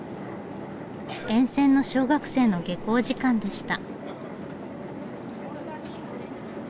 沿線の小学生の下校時間でした。